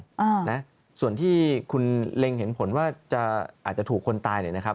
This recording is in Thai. อ่านะส่วนที่คุณเล็งเห็นผลว่าจะอาจจะถูกคนตายเนี่ยนะครับ